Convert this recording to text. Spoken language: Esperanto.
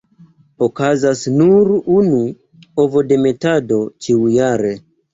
Okazas nur unu ovodemetado ĉiujare.